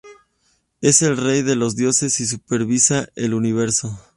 Es el rey de los dioses y supervisa el universo.